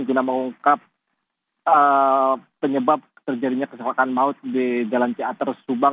yang mengungkap penyebab terjadinya kesalahan maut di jalan teater subang